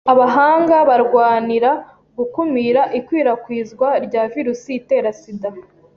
Abahanga barwanira gukumira ikwirakwizwa rya virusi itera SIDA.